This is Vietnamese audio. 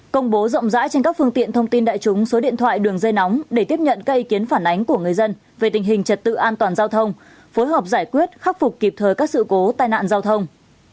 công bố rộng rãi trên các phương tiện thông tin đại chúng số điện thoại đường dây nóng để tiếp nhận các ý kiến phản ánh của người dân về tình hình trật tự an toàn giao thông phối hợp giải quyết khắc phục kịp thời các sự cố tai nạn giao thông